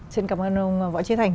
xin cảm ơn ông võ trí thành